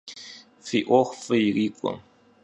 Fi 'uexu f'ı yirik'ue!